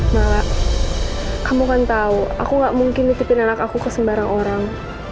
malah kamu kan tahu aku gak mungkin nitipin anak aku ke sembarang orang